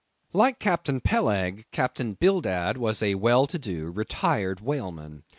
Like Captain Peleg, Captain Bildad was a well to do, retired whaleman.